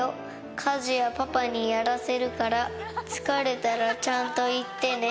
家事はパパにやらせるから、疲れたらちゃんと言ってね。